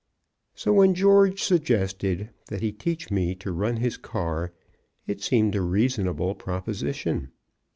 So, when George suggested that he teach me to run his car, it seemed a reasonable proposition.